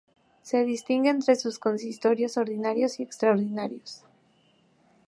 Se distingue entre consistorios ordinarios y extraordinarios.